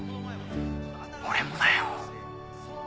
俺もだよ。